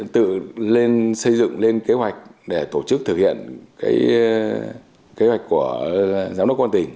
tự lên xây dựng lên kế hoạch để tổ chức thực hiện kế hoạch của giám đốc công an tỉnh